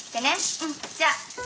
うんじゃあ。